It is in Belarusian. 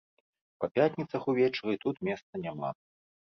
Па пятніцах увечары тут месца няма.